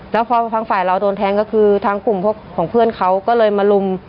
แล้วพอทางฝ่ายเราโดนแทงก็คือทางกลุ่มพวกของเพื่อนเขาก็เลยมาลุม